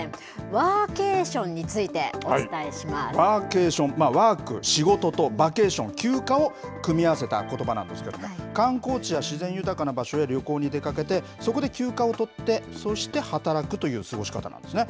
ワーケーションについてお伝えしワーケーション、まあ、ワーク・仕事と、バケーション・休暇を組み合わせたことばなんですけども、観光地や自然豊かな場所へ旅行に出かけて、そこで休暇を取って、そして働くという過ごし方なんですね。